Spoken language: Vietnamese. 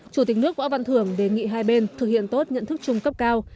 chủ tịch nước võ văn thưởng đề nghị hai bên thực hiện tốt nhận thức chung cấp cao